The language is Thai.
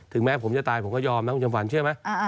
แม้ผมจะตายผมก็ยอมนะคุณจำขวัญเชื่อไหม